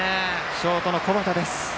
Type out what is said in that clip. ショートの小畑です。